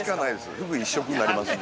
ふぐ一色になりますので◆